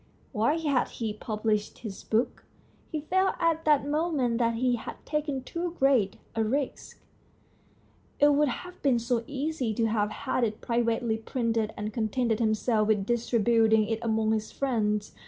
Why had he published his book ? He felt at that moment that he had taken too great a risk. It would have been so easy to have had it privately printed and contented himself with distributing it among his friends.